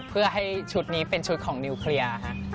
เพื่อให้ชุดนี้เป็นชุดของนิวเคลียร์